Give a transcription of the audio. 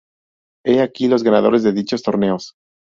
He aquí los ganadores de dichos torneos.